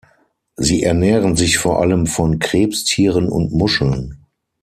Sie ernähren sich vor allem von Krebstieren und Muscheln.